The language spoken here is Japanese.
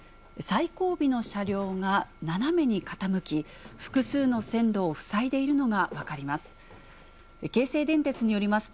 最後尾の車両が斜めに傾き、複数の線路を塞いでいるのが分かります。